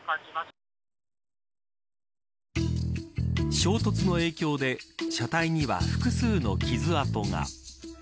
衝突の影響で車体には複数の傷跡が。